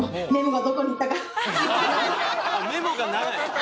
メモがない？